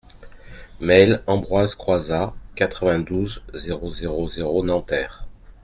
Mail Ambroise Croizat, quatre-vingt-douze, zéro zéro zéro Nanterre